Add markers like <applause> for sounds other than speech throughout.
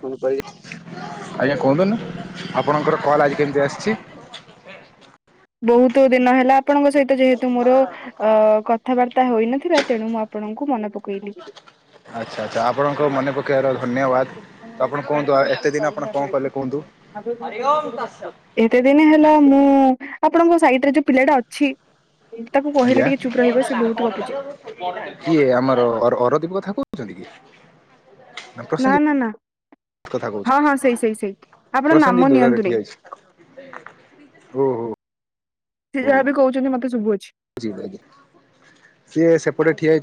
ଫୁଣି କରିବି। ଆଜ୍ଞା କୁହନ୍ତୁ ନା ଆପଣଙ୍କର କଲ୍ ଆଜି କେମିତି ଆସିଛି? ବହୁତୁ ଦିନ ହେଲା ଆପଣଙ୍କ ସହିତ ଯେହେତୁ ମୋର ଅ କଥାବାର୍ତ୍ତା ହୋଇନଥିଲା ତେଣୁ ମୁଁ ଆପଣ ଙ୍କୁ ମନେ ପକେଇଲି। ଆଚ୍ଛା ଆଚ୍ଛା ଆପଣଙ୍କ ମନେ ପକେଇବାର ଧନ୍ୟବାଦ। ତ ଆପଣ କୁହନ୍ତୁ ଏତେ ଦିନ ଆପଣ କଣ କଲେ କୁହନ୍ତୁ। ଆଜ୍ଞା ଏତେ ଦିନି ହେଲା ମୁଁ ଆପଣଙ୍କ ସାଇଟ୍ ରେ ଯୋଉ ପିଲାଟା ଅଛି ତାକୁ କହିଲେ ଆଜ୍ଞା ଟିକେ ଚୁପ୍ ରହିବ ସେ ବହୁତ ଗପୁଛି କିଏ ଆମର ଅ- ଅରଦୀପ କଥା କହୁ ଚନ୍ତି କି? ନା ନାଁ ପ୍ରସେନଜିତ୍ ନାଁ ନାଁ। କଥା କହୁଛ ହଁ ହଁ ସେଇ ସେଇ ସେଇ ଆପଣ ପ୍ରସେନଜିତ୍ ନାମ ଦୂରରେ ନିଅନ୍ତୁନେଇ। ଠିଆ ହେଇଛି ଓହୋ। ସେ ଯାହା ବି କହୁଛନ୍ତି ମତେ ଶୁଭୁଅ ବୁଝିଗଲି ଆଜ୍ଞା।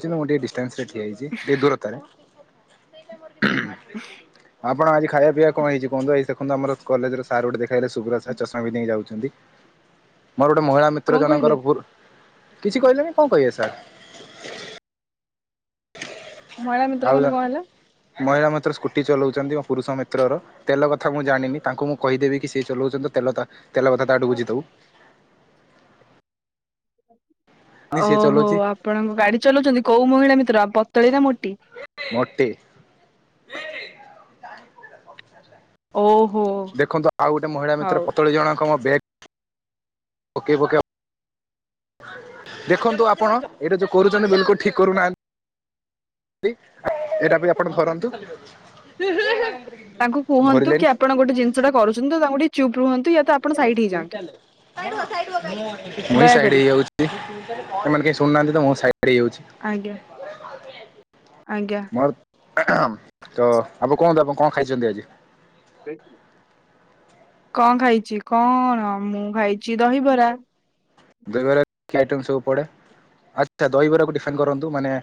ଚନ୍ତି ମୁଁ ଟିକେ ଡିଷ୍ଟାନ୍ସ ରେ ଠିଆହେଇଛି ଟିକେ ଦୂରତାରେ। ଆପଣ ଆଜି ଖାଇବା ପିଇବା କଣ ହେଇଛି କୁହନ୍ତୁ? ଏଇ ଦେଖନ୍ତୁ ଆମର କଲେଜ ର ସାର୍ ଗୋଟେ ଦେଖାହେଇଗଲେ ସୁବ୍ରତ ସାର୍, ଚଷମା ପିନ୍ଧିକି ଯାଉଚନ୍ତି। ମୋର ଗୋଟେ ମହିଳା ମିତ୍ର କଣ କହିଲେ ଜଣଙ୍କର ଗୁରୁ, କିଛି କହିଲେନି କଣ କହିବେ ସାର୍। ମହିଳା ଆଉ ମିତ୍ରଙ୍କର ଜଣେ କଣ ହେଲା? ମହିଳା ମିତ୍ର ସ୍କୁଟି ଚଲଉଚନ୍ତି ମୋ ପୁରୁଷ ମିତ୍ରର। ତେଲ କଥା ମୁଁ ଜାଣିନି ତାଙ୍କୁ ମୁଁ କହିଦେବି କି ସେ ଚଲଉଚନ୍ତି ତ ତେଲ ତା ତେଲ କଥା ତାଠୁ ବୁଝିଦବୁ। ନି ସିଏ ଓହୋ ଚଲାଉଛି ଆପଣଙ୍କ ଗାଡି ଚଲଉଚନ୍ତି କୋଉ ମହିଳା ମିତ୍ର, ପତଳି ନା ମୋଟି? ମୋଟି। ଓ ଦେଖନ୍ତୁ ଆଉ ଗୋଟେ ମହିଳା ମିତ୍ର ପତଳି ଜଣକ ମୋ ବ୍ୟାଗ୍ ପକେଇ ପକେଇକା ଦେଖନ୍ତୁ ଆପଣ ଏଇଟା ଯୋଉ କରୁଚନ୍ତି ବିଲକୁଲ ଠିକ୍ କରୁନାହାଁ ନ୍ତି। ଏଇଟା ବି ଆପଣ ଧରନ୍ତୁ। ତାଙ୍କୁ କୁହନ୍ତୁ ଧରିଲେନି କି ଆପଣ ଗୋଟେ ଜିନିଷ ଟା କରୁଛନ୍ତି ତ ତାଙ୍କୁ ଟିକେ ଚୁପ୍ ରୁହନ୍ତୁ। ୟା ତ ଆପଣ ସାଇଡ ମୁଁଇ ହେଇଯାଆନ୍ତୁ ଚାଲିଲ, ସାଇଡ ହୁଅ ସାଇଡ ମୁଁ, ମୁଁଇ ଦୟାକରି। ସାଇଡ ହେଇଯାଉଛି, ତମେମାନେ କେହି ସୁ- କରୁନାହାନ୍ତି ତ ମୁଁ ସାଇଡ ହେଇଯାଉଛି। ଆଜ୍ଞା ଆଜ୍ଞା ମର ତ ଆପଣ କୁହନ୍ତୁ, ଆପଣ କଣ ଖାଇଛନ୍ତି ଆଜି? ଯାଇଥିଲୁ? କଣ ଖାଇଛି, କଣ ମୁଁ ଖାଇଛି ଦହିବରା। ଦହିବରାରେ କି କି ଆଇଟମ ସବୁ ପଡେ? ଆଚ୍ଛା ଦହିବରାକୁ ଡିଫାଇନ୍ କରନ୍ତୁ ମାନେ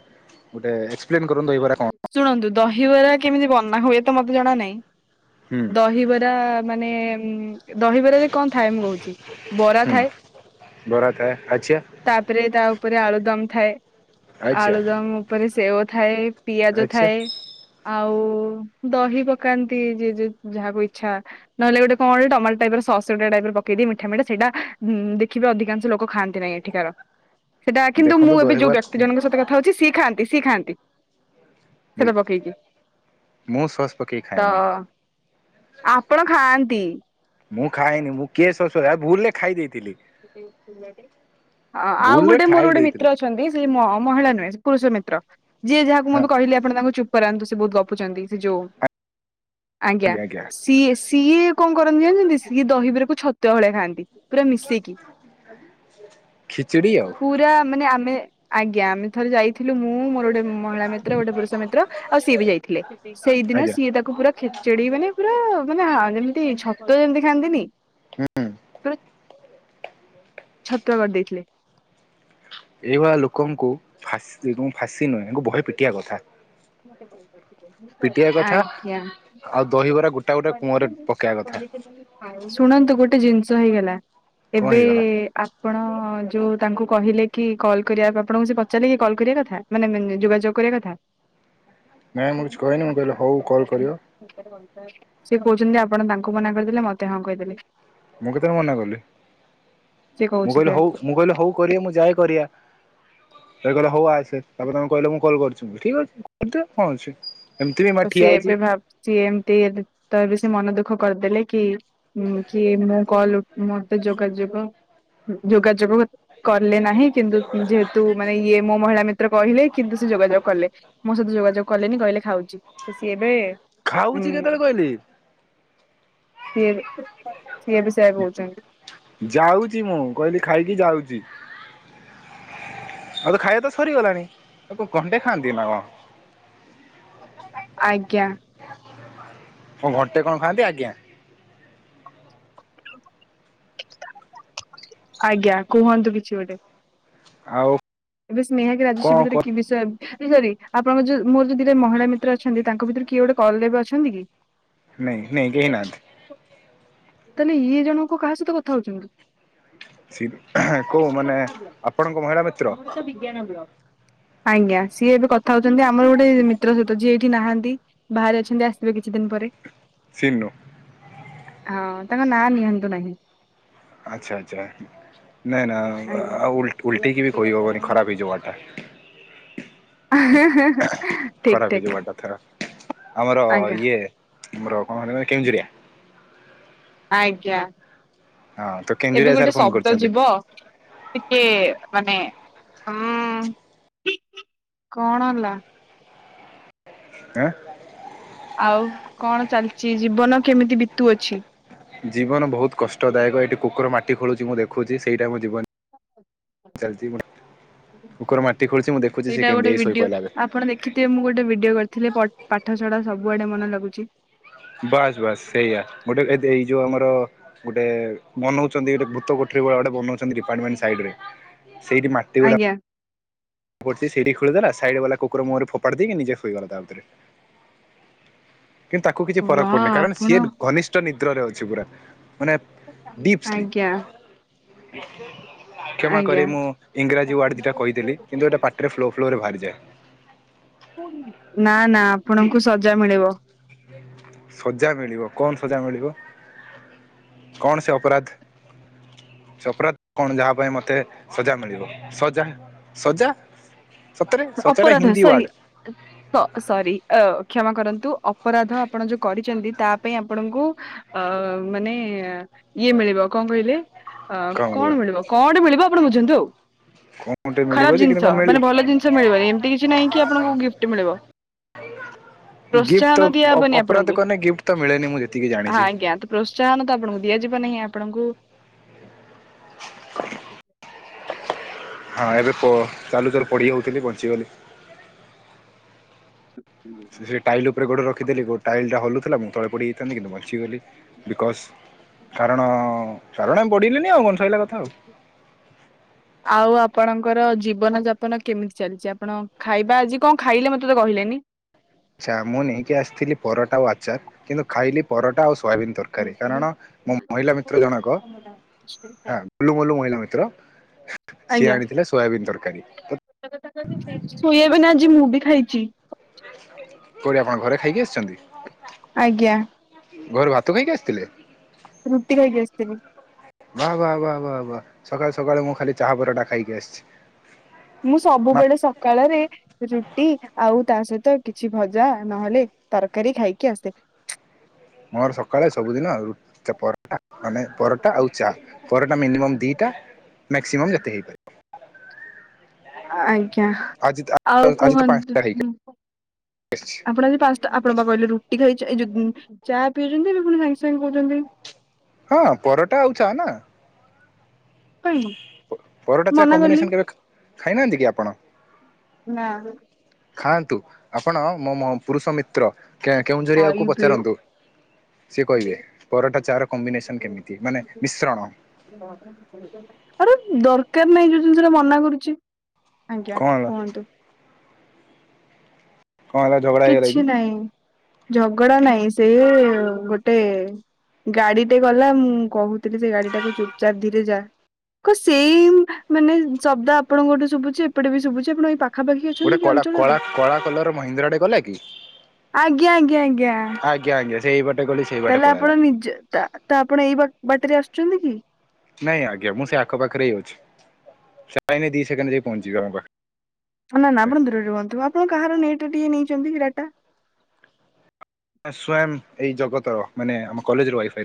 ଗୋଟେ ଏକ୍ସପ୍ଲେନ କରନ୍ତୁ ଦହିବରା କଣ? ଶୁଣନ୍ତୁ ଦହିବରା କେମିତି ବନା ହୁଏ ତ ମତେ ଜଣା ନାହିଁ। ହୁଁ। ଦହିବରା ମାନେ- ଉଁ ଦହିବରାରେ କଣ ଥାଏ ମୁଁ କହୁଛି। ବରା ହୁଁ ଥାଏ- ବରା ଥାଏ ଆଚ୍ଛା ତାପରେ ତା ଉପରେ ଆଳୁ ଦମ୍ ଥାଏ, ଆଚ୍ଛା ଆଳୁଦମ ଉପରେ ସେଓ ଥାଏ, ପିଆଜ ଆଚ୍ଛା ଥାଏ ଆଉ ଦହି ପକାନ୍ତି ଯ ଯାହାକୁ ଇଚ୍ଛା ନହେଲେ ଗୋଟେ କଣ ଟମାଟ ଟାଇପ ର ସସ ଗୋଟେ ଟାଇପ ର ପକେଇଦେଇ ମିଠା ମିଠା ସେଇଟା ଉଁ ଦେଖିବେ ଅଧିକଂଶ ଲୋକ ଖାଆନ୍ତି ନାହିଁ ଏଠିକାର ସେଇଟା କିନ୍ତୁ ଦେଖନ୍ତୁ ମୁଁ ଏବେ ଯୋଉ ଦହିବାର ବ୍ୟକ୍ତି ଜଣଙ୍କ ସହିତ କଥା ହଉଛି ସି ଖାଆନ୍ତି, ସି ଖାଆନ୍ତି ସେଟା ପକେଇକି, ମୁଁ ସସ୍ ପକେଇ ତ ଖାଏନି ଆପଣ ଖାଆନ୍ତି? ମୁଁ ଖାଇନି, ମୁଁ କିଏ ଶଶୁର ଭୁଲ ରେ ଖାଇ ଦେଇ <inaudible> ଅ ଆଉ ଭୁଲରେ ଗୋଟେ ମୋର ଖାଇ ଗୋଟେ ଦେଇଥିଲି ମିତ୍ର ଅଛନ୍ତି, ସେ ମହିଳା ନୁହେଁ ସେ ପୁରୁଷ ମିତ୍ର ଯିଏ ଯାହାକୁ ମୁଁ ହଁ ବି କହିଲି ଆପଣ ତାଙ୍କୁ ଚୁପ୍ କରାନ୍ତୁ ସେ ବହୁତ ଗପୁଛନ୍ତି ସେ ଯୋଉ- ଆଜ୍ଞା, ସିଏ ସିଏ କଣ କରନ୍ତି, ଜାଛନ୍ତି ସିଏ ଦହିବିରକୁ ଛତୁଆ ଭଳିଆ ଖାଆନ୍ତି ପୁରା ମିଶେଇକି। ଖିଚିଡ଼ି ଆଉ। ମେଁ ଆଜ୍ଞା, ଆମେ ଥରେ ଯାଇ ଥିଲୁ ମୁଁ ମୋର ଗୋଟେ ମହିଳା ମିତ୍ର ଗୋଟେ ପୁରୁଷ ମିତ୍ର, ଆଉ ସିଏ ବି ଯାଇଥିଲେ। ସେଇଦିନ ଆଜ୍ଞା ସିଏ ତାକୁ ପୁରା ଖି ଚେଡି ମାନେ ପୁରା ମାନେ ଯେମିତି ଛତୁଆ ଯେମିତି ଖାଆନ୍ତିନି, ହୁଁ ପ ଛତୁଆ କରିଦେଇଥିଲେ। ଏଇଭଳିଆ ଲୋକଙ୍କୁ ଫାଶୀ ଫାଶୀ ନୁହେଁ, ୟାଙ୍କୁ ବହେ ପିଟିଆ କଥା। ପିଟିବା <inaudible> କଥା ଆଜ୍ଞା। ଆଉ ଦହିବରା ଗୋଟା ଗୋଟା କୁଅଁରେ ପକେଇବା କଥା ଶୁଣନ୍ତୁ ଗୋଟେ ଜିନିଷ ହେଇଗଲା କଣ ଏବେ ହେଇଗଲା ଆପଣ ଯୋଉ ତାଙ୍କୁ କହିଲେ କି କଲ୍ କରିବା ଆପଣଙ୍କୁ ସେ ପଚାରିଲେ କି କଲ୍ କରିବା କଥା ମାନେ ଯୋଗାଯୋଗ କରିବା କଥା ନାଇଁ <inaudible> ମୁଁ କିଛି କହିନି ମୁଁ କହିଲି ହଉ କଲ୍ କରିବ ସେ କହୁଛନ୍ତି, ଯେ ଆପଣ ତାଙ୍କୁ ମନା କରିଦେଲେ ମତେ ହଁ କହିଦେଲେ। ମୁଁ କେତେବେଳେ ମନା କଲି। ସିଏ ମୁଁ କହୁଛି କହିଲି ସେ ହଉ, ମୁଁ କହିଲି ହଉ କରିବା ମୁଁ ଯାଏଁ କରିବା ସେ କହିଲା ହଉ ଆସେ, ତାପରେ ତମେ କହିଲ ମୁଁ କଲ କରିଛି ମୁଁ କହିଲି ଠିକ୍ ଅଛି କ କରିଦେ, କଣ ଅଛି। ଏମିତି ବି ମା ହ ଠିଆ ସିଏ ହେଇଛି ଏବେ ଭାବୁଛି ଏମିତି ତ ସେ ମନ ଦଃଖ ଦୁଃଖ କରିଦେଲେ କି କି ମୁଁ କଲ କରିଦେଲେ କି ମତେ ଯୋଗାଯୋଗ ଯୋଗାଯୋଗ କଲେ ନାହିଁ, କିନ୍ତୁ ଯେହେତୁ ମାନେ ଇଏ ମୋ ମହିଳା ମିତ୍ର କହିଲେ କିନ୍ତୁ ଯୋଗାଯୋଗ କଲେ, ମୋ ସହିତ ଯୋଗାଯୋଗ କଲେନି କହିଲେ ଖାଉଛି, ତ ସିଏ ଏବେ ଖାଉଛି କେତେବେଳେ କହିଲି! ସେ ଯାଉଛି ମୁଁ କହିଲି ଖାଇକି ଯାଉଛି। <unintelligible> ଆଉ ତ ଖାଇବା ତ ସରିଗଲାଣି ଆଉ ଘଣ୍ଟେ ଖାଆନ୍ତି ନା କଣ? ଆଜ୍ଞା। କଣ ଘଣ୍ଟେ କଣ ଖାଆନ୍ତି ଆଜ୍ଞା। ଆଜ୍ଞା କୁହନ୍ତୁ କିଛି ଗୋଟେ। ଆଉ ଏବେ ସ୍ନେହାକି ରାଜଶ୍ରୀ କଣ ବି କ ତତେ କି ବିଷୟ ଏ ସରି ଆପଣଙ୍କ ଯୋଉ ମୋର ଯୋଉ ଦିଟରେ ମହିଳା ମି ତ୍ର ଅଛନ୍ତି, ତାଙ୍କ ଭିତରୁ କିଏ ଗୋଟେ କଲ ରେ ଏବେ ଅଛନ୍ତି କି? ନାଇଁ ନାଇଁ କେହିଁନାହାନ୍ତି। ତାହେଲେ ଇଏ ଜଣକ କାହା ସହିତ କଥା ହଉଛନ୍ତି? ସିଦ୍ ଆଁହ କୋଉ ମାନେ ଆପଣଙ୍କ ମହିଳା ମିତ୍ର? ଆଜ୍ଞା, ସିଏ ଏବେ କଥା ହଉଛନ୍ତି ଆମର ଗୋଟେ ମିତ୍ର ସହିତ ଯିଏ ଏଇଠି ନାହାନ୍ତି ବାହାରେ ଅଛନ୍ତି ଆସିବେ କିଛି ଦିନ ପରେ। ସିନୁ ହଁ, ତାଙ୍କ ନାଁ ନିଅନ୍ତୁ ନାହିଁ। ଆଚ୍ଛା ଆଚ୍ଛା। ନାଇଁ ନାଇଁ, ଆଜ୍ଞା। ଆଉ ଉଲ୍ ଉଲୋଟେଇକି ବି କହି ହେବନି ଖରାପ ହେଇଜୀବ ୱର୍ଡ୍ ଟା। ଆଃ ଆଃ ଠିକ ଖରାପ ଠିକ ହେଇଯିବ ୱର୍ଡ ଟା ଥା ଆମର ଆଜ୍ଞା ଇଏ ଆମର କଣ କେଉଁଝରିଆ। ଆଜ୍ଞା, ହଁ ତ ଏବେ କେଞ୍ଜୁରିଆ ସାର୍ ଗୋଟେ ଫୋନ ଶବ୍ଦ କରିଛନ୍ତି ଯିବ ଟିକେ ମାନେ ଉ କଣ ହେଲା। ଆଁ। ଆଉ କଣ ଚାଲିଛି ଜୀବନ କେମିତି ବିତୁଅଛି? ଜୀବନ ବହୁତ କଷ୍ଟଦାୟକ ଏଠି କୁକୁର ମାଟି ଖୋଳୁଛି ମୁଁ ଦେଖୁଛି, ସେଇଟା ମୋ ଜୀବ ଚାଲଛି ମୁ ସେଇଟା କେମିତି ଗୋଟେ ଏଇ ଭିଡିଓ ଶୋଇପଇଲା ଏବେ ଆପଣ ଦେଖିଥିବେ, ମୁଁ ଗୋଟେ ଭିଡିଓ କର ଥିଲେ, ପଠ ପାଠ ଛଡା ସବୁଆଡେ ମନ ଲାଗୁଛି। ବାସ୍ ବାସ୍ ସେଇଆ ଗୋଟେ ଏଦ ଏଇ ଯୋଉ ଆମର ଗୋଟେ ବନୋଉଛନ୍ତି, ଗୋଟେ ଭୂତ କୋ ଥିବା ଗୋଟେ ବଉଛନ୍ତି ଡିପାର୍ଟମେଣ୍ଟ ସାଇଡ ରେ ସେଇଠି ମାଟି ଗୁଡା ଆଜ୍ଞା ପଡ଼ିଛି, ସେଇଠି ଖୋଳିଦେଲା ସାଇଡ୍ ବାଲା କୁକୁର ମୁହଁରେ ଫୋପାଡ଼ି ଦେଇକି ନିଜେ ସୋଇଗଲା ତା ଭିତରେ। <inaudible> କିନ୍ତୁ, ତାକୁ କିଛି ଫରକ ବା ପଡୁନି କାରଣ ଆପଣ ସିଏ ଘନିଷ୍ଠ ନିଦ୍ରରେ ଅଛି ପୁରା। ମାନେ ଡିପସ୍ଲିପ୍। ଆଜ୍ଞା କ୍ଷମା ଆଜ୍ଞା କରିବେ, ମୁଁ ଇଂରାଜୀ ୱାର୍ଡ ଦିଟା କହିଦେଲି। କିନ୍ତୁ ଏଇଟା ପାଟିରେ ଫ୍ଲୋ ଫ୍ଲୋ ରେ ବାହାରିଯାଏ। ନା ନା ଆପଣଙ୍କୁ ସଜା ମିଳିବ। ସଜା ମିଳିବ, କଣ ସଜା ମିଳିବ? କଣ ସେ ଅପରାଧ, ସେ ଅପରାଧ କଣ ଯାହା ପାଇଁ ମତେ ସଜା ମିଳିବ, ସଜା ସଜା? ସତରେ ସଜାଟା ଅପରାଧ ହିନ୍ଦୀ ସରି ୱାର୍ଡ ତ ସରି ଅ କ୍ଷମା କର ନ୍ତୁ, ଅପରାଧ ଆପଣ ଯୋଉ କରିଛନ୍ତି ତା ପାଇଁ ଆପଣଙ୍କୁ ଅ ମାନେ ଇଏ ମି ମିଳବ କଣ କହିଲେ, ଅ କଣ ମିଳିବ କଣ ମିଳିବ ଆପଣ ବୁଝନ୍ତୁ ଆଉ। କଣ ଗୋଟେ ମିଳିବ ଖରାପ ଯେ କିନ୍ତୁ ଜିନିଷ କଣ ମିଳିବ ମାନେ ଭଲ ଜିନି ଷ ମିଳିବନି, ଏମତି କିଛି ନହିଁ କି ଆପଣଙ୍କୁ ଗିଫ୍ଟ ମିଳିବ। ଗିଫ୍ଟ ତ ପ୍ରୋତ୍ସାହନ ଦିଆହବନି ଅପରାଧ ଆପଣଙ୍କୁ। କଲେ ଗିଫ୍ଟ ତ ମିଳେନି ମୁଁ ଯେତିକି ହାଁ ଜାଣିଛି ଆଜ୍ଞା, ତ ପ୍ରୋତ୍ସାହନ ତ ଆପଣଙ୍କୁ ଦିଆଯିବ ନାହିଁ ଆପଣଙ୍କୁ <unintelligible> ହଁ, ଏବେ କୁହ ଚାଲୁଚାଲୁ ପଡ଼ି ଯାଉଥିଲି ବଞ୍ଚିଗଲି। <unintelligible> ସେ ସେ ଟାଇଲ ଉପରେ ଗୋଡ ରଖିଦେଲି, ଗୋ ଟାଇଲ ଟା ହଲୁଥିଲା ମୁଁ ତଳେ ପଡିଯାଇଥାନ୍ତି କିନ୍ତୁ ବ ଞ୍ଚିଗଲି ବିକଯ୍ କାରଣ କାରଣ ପଡିଲିନି ଆଉ କ ଆଉ ଆପଣ ଙ୍କର ଜୀବନ ଯାପନ କେମିତି ଚାଲିଛି? ଆପଣ ଖାଇବା ଆଜି କଣ ଖାଇଲେ ମତେ ତ କହିଲେନି? ଛା ମୁଁ ନେଇକି ଆସିଥିଲି ପରଟା ଆଉ ଆଚାର କିନ୍ତୁ ଖାଇଲି ପରଟା ଆଉ ସୋୟାବିନ ତରକାରୀ, କାରଣ ମୋ ମହିଳା ମିତ୍ର ଜଣକ ହାଁ, ଗୋଲୁ ମୋଲୁ ମହିଳା ମିତ୍ର ସିଏ ଆଜ୍ଞା ଆଣିଥିଲେ ସୋୟାବିନ୍ ତରକାରୀ ତ <unintelligible> ସୋୟାବିନି ଆଜି ମୁଁ ବି ଖାଇଛି। କୋଉଠି ଆପଣ ଘରେ ଖାଇକି ଆସ ଆଜ୍ଞା। ଘରୁ ଭାତ ଖାଇକି ଆସିଥିଲେ? ରୁଟି ଖାଇକି ଆସିଥିଲି। ବା ବା ବା ବା ବା ସକାଳୁ ସକାଳୁ ମୁଁ ଖାଲି ଚାହା ପରଟା ଖାଇକି ଆସିଛି। ମୁଁ ମା ସବୁବେଳେ ସକାଳରେ ରୁଟି ଆଉ ତା ସହିତ ତ କିଛି ଭଜା ନହେଲେ ତରକାରୀ ଖାଇକି ଆସେ। ମୋର ସକାଳେ ସବୁଦିନ ରୁଟ୍ ପରଟା୍ ମାନେ ପରଟା ଆଉ ଚା ପରଟା ମିନିମମ୍ ଦିଟା ମ୍ୟାକ୍ସିମମ୍ ଯତେ ହେଇପାରିବ। ଆଜ୍ଞା ଆଜି ତ- ଆଉ ଆଜି ତ କୁହନ୍ତୁ ପାଞ୍ଚଟା ହେଇକି ଆସିଛି। ଆପଣ ଆଜି ପାଞ୍ଚଟା ଆପଣ ଵା କହିଲେ ରୁଟି ଖାଇଚ ଏ ଯୋଉ ଚା ପିଇଛନ୍ତି ଏବେ ପୁଣି ସାଙ୍ଗେ ସାଙ୍ଗେ କହୁଛନ୍ତି ହଁ ପରଟା ଆଉ ଚା ନା। କାଇଁ ପ ପରଟା ଚା ମନା କଲି କମ୍ବିନେସନ୍ କେବେ ଖା ଖାଇନାହାନ୍ତି କି ଆପଣ? ନା। ଖାଆନ୍ତୁ, ଆପଣ ମୋ ମ ପୁରୁଷ ମିତ୍ର କେଉଁଝରିଆକୁ ଖାଇବେ। ପଚାରନ୍ତୁ। ସିଏ କହିବେ ପରଟା, ଚା ର କମ୍ବିନେସନ କେମିତି? ମାନେ ମିଶ୍ରଣ। ଆରେ । ଦରକାର ନାହିଁ ଯୋଉ ଜିନିଷଟା ମନା କରୁଛି, ଆଜ୍ଞା କଣ ହେଲା? କୁହନ୍ତୁ। କଣ ହେଲା, ଝଗଡା ହେଇଗଲା କି? ଝଗଡ଼ା ନାଇଁ, ସେ ଗୋଟେ ଗାଡିଟେ ଗଲା ମୁଁ କହୁଥିଲି, ସେ ଗାଡି ଟାକୁ ଚୁୁର ଚାର କ୍ତିରେ ଯା। କ ସେମ୍ ମାନେ ଶବ୍ଦ ଆପଣଙ୍କଠୁ ଶୁଭୁଛି ଏପଟେ ବି ଶୁଭୁଛି ଆପଣଙ୍କ ଏଇ ପାଖ ପାଖାପାଖି ଗୋଟେ ଅଛନ୍ତି କି କଳା କଳା ଅଞ୍ଚଳରେ? କଳା କଲର ମହିନ୍ଦ୍ରା ଟେ ଗଲା କି? ଆଜ୍ଞା ଆଜ୍ଞା ଆଜ୍ଞା। ଆଜ୍ଞା ଆଜ୍ଞା ସେଇ ବାଟେ ଗଲି ସେଇ ବାଟେ ତାହେଲେ ପଳେଇଲା। ଆପଣ ନିଜେ ତା ତା ଆପଣ ଏଇ ବାଟରେ ଆସୁଛନ୍ତି କି? ନାଇଁ ଆଜ୍ଞା ମୁଁ ସେ ଆଖ ପାଖରେ ଇ ଅଛି, ସେଥିପାଇଁ ଦି ସେକେଣ୍ଡ ଯାଇ ପହଞ୍ଚିବି ଆପଣଙ୍କ ପାଖରେ। ନା ନା ଆପଣ ଦୂରରେ ରୁହନ୍ତୁ, ଆପଣ କାହାର ନେଟ ଟିକେ ନେଇଛନ୍ତି କି ଡାଟା? ସ୍ଵୟଂ ଏଇ ଜଗତର ମାନେ! ଆମ କଲେଜ ର ୱାଇଫ୍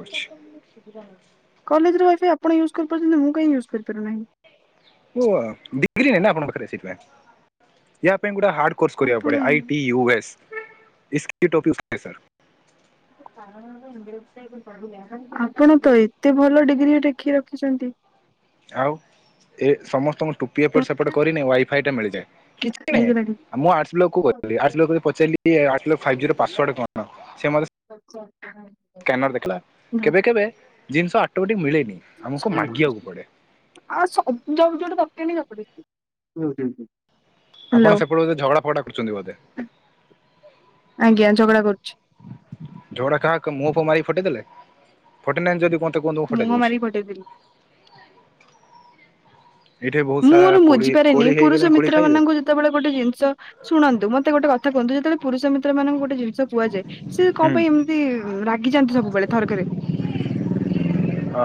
ହଁ ତୋ କଥା କିଛି ବୁଝି ପାରୁନି। କାଲେଜ ର ୱାଇଫାଇ ଆପଣ ୟୁଜ୍ କରିପାରୁଛନ୍ତି, ମୁଁ କାଇଂ ୟୁଜ୍ କରିପାରୁ ନାହିଁ? ଓ ଆ ଡିଗ୍ରୀ ନାଇ ନା ଆପଣଙ୍କ ପାଖରେ ସେଥିପାଇଁ, ୟା ପାଇଁ ଗୋ ହାର୍ଡ କୋର୍ସ କରିଆକୁ ଆପଣ ପଡ଼େ ଆଇ ପି ୟୁ ଏସ୍, ଇସ୍ କେ ଟୋପି ଉସ୍ କେ ସର୍। ଆପଣ ତ ଏତେ ଭଲ ଡିଗ୍ରୀ ଟେକି ରଖିଛନ୍ତି। ଆଉ। ଏ ସମସ୍ତଙ୍କ ଟୋପି ଏପ ସେପଟ ଦରକାର କରିନି ୱାଇଫାଇ ଟା ମିଳିଯାଏ କିଛି ନାଇଁ ହେଇଗଲା ମୁଁ ଆର୍ଟସ୍ ବ୍ଲକ୍ କୁ କରିବି। ଆର୍ଟ୍ସ ଲୋକ କୁ ପଚାରିଲି ଆଠ ଲୋକ ଫାଇବ ଜିରୋ ପାଶ୍ୱାର୍ଡ କଣ ସେ ମତେ ଆଚ୍ଛା। ସ୍କାନର ଦେଖିଲା କେବେ କେବେ ଜିନିଷ ଅଟୋ ମେଟିକ୍ ମିଳେ। ଆ ସବୁ ଯୋଉ ଯୋଉଠି ଦରକାର ନାହିଁ ରଖ୍ ହୁଁ ହୁଁ ହୁଁ। ଆପଣ ସେପଟେ ବୋଧେ ଝଗଡା ଫଗଡା କରୁଛନ୍ତି ବୋଧେ। ଆଜ୍ଞା ଝଗଡା କରୁଛି। ଝଗଡା କାହା କାହା ମୁଁହ ପୁହଁ ମାରି ଫଟେଇଦେଲେ ଫଟେଇ ନାହାନ୍ତି ଯଦି କୁହନ୍ତୁ। ମୁଁ ଫଟେଇ ମୁହଁ ଦଉଛି। ମାରିକି ପଟେଇଦେଲି। ଏଇଠି ବହୁତ ସାରା ମୁଁର କୋଳି ବୁଝିପାରିନି କୋଳି ପୁରୁଷ ହେଇଗଲେଣି କୋଳି ମିତ୍ର ଖାଇବେ? ମାନଙ୍କୁ ଯେତେବେଳେ ଗୋଟେ ଜିନିଷ ଶୁଣନ୍ତୁ ମତେ ଗୋଟେ କଥା କୁହନ୍ତୁ। ଯେତେଳେ ପରୁଷ ମିତ୍ର ତ୍ର ମାନଙ୍କୁ ଗୋଟେ ଜିନିଷ କୁହାଯାଏ ସେ ହୁଁ କଣ ପାଇଁ ଏମିତି ରାଗିଯାନ୍ତି ସବୁବେଳେ ଥରକରେ। ଅ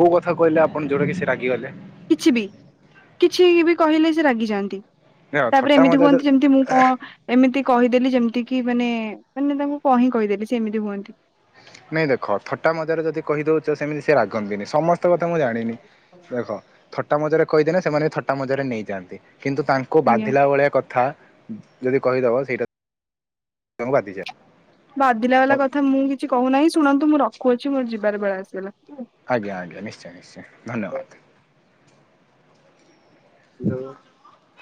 କୋଉ କଥା କହିଲେ ଆପଣ ଯୋଉଟା କି ସେ ରାଗିଗଲେ। କିଛି ବି କିଛି ବି କହିଲେ ସେ ରାଗି ଯାଆନ୍ତି। ନା ତାପରେ ଥଟ୍ଟା ଏମିତି ମଜା କୁହନ୍ତି ଯେମିତି ମୁଁ କଣ ଏମିତି କହିଦେଲି ଯେମିତି କି ମାନେ ମାନେ ତାଙ୍କୁ କାହିିଁ କହିଦେଲି ସେ ସେମିତି ହୁଅନ୍ତି। ନାଇଁ ଦେଖ ଥଟା ମଜାରେ ଯଦି କହିଦଉ ଚ ସେମିତି ସେ ରାଗନ୍ତିନି ସମସ୍ତ କଥା ମୁଁ ଜାଣିନି ଦେଖ ଥଟା ମଜରେ କହିଦେନେ ସେମାନେ ଥଟା ମଜାରେ ନେଇଯାଆନ୍ତି କିନ୍ତୁ ତାଙ୍କୁ ଆଜ୍ଞା। ବାଧିଲା ଭଳିଆ କଥା ଯଦି କହିଦବ ସେଇଟା ତାଙ୍କୁ ବାଧିଯାଏ। ବାଧିଲା ତ ବାଲା କଥା ମୁଁ କିଛି କହୁନାହିଁ ଶୁଣନ୍ତୁ ମୁଁ ରଖୁଚି ମୋର ଯିବାରେ ବେଳେ ଆସିଗଲା। ଆଜ୍ଞା ଆଜ୍ଞା ନିଶ୍ଚୟ ନିଶ୍ଚୟ ଧନ୍ୟବାଦ। ହ୍ୟାଲୋ।